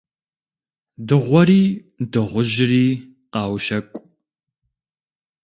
Дыгъуэри дыгъужьри къаущэкӀу.